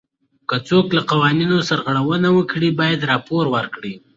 که څوک له قوانینو سرغړونه وکړي باید راپور ورکړي.